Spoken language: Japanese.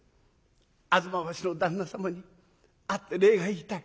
吾妻橋の旦那様に会って礼が言いたい。